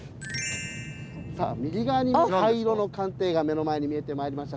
さあ右側に灰色の艦艇が目の前に見えてまいりました。